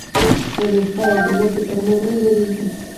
ولې استاده جنت دې پر ما نه لورېږي.